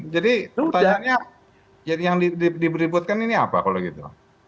jadi pertanyaannya yang dipeributkan ini apa kalau gitu